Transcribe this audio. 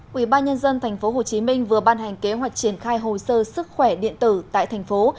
quỹ ba nhân dân tp hcm vừa ban hành kế hoạch triển khai hồ sơ sức khỏe điện tử tại thành phố